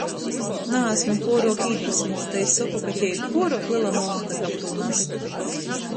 Naasmu puoruok īdvasmuota i soku, ka tei ir puoruok lela monta, kab tū nastu.